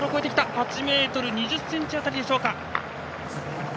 ８ｍ２０ｃｍ辺りでしょうか。